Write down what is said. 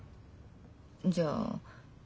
じゃあ。